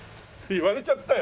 言われちゃったよ。